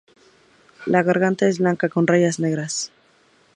La garganta es blanca con rayas negras.